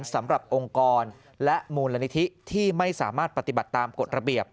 สำหรับองค์กรและมูลนิธิที่ไม่สามารถปฏิบัติตามกฎระเบียบ